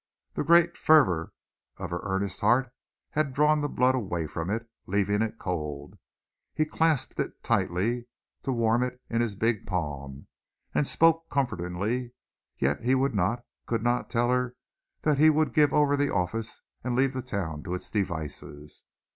The great fervor of her earnest heart had drawn the blood away from it, leaving it cold. He clasped it, tightly, to warm it in his big palm, and spoke comfortingly, yet he would not, could not, tell her that he would give over the office and leave the town to its devices.